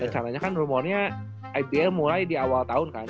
caranya kan rumornya ibl mulai di awal tahun kan